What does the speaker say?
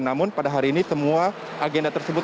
namun pada hari ini semua agenda tersebut